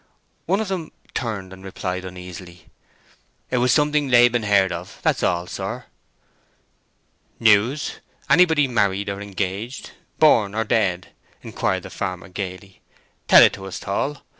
One of them turned and replied uneasily: "It was something Laban heard of, that's all, sir." "News? Anybody married or engaged, born or dead?" inquired the farmer, gaily. "Tell it to us, Tall.